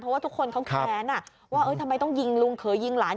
เพราะว่าทุกคนเขาแค้นว่าทำไมต้องยิงลุงเขยยิงหลาน